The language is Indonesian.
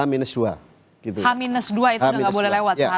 h dua itu gak boleh lewat seharusnya